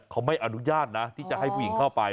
เขาไม่อนุญาตนะที่จะให้ผู้หญิงเข้าไป